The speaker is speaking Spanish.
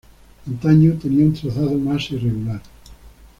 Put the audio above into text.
Antaño tenía un trazado más irregular.